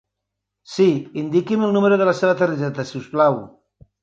Sí, indiqui'm el número de la seva targeta si us plau.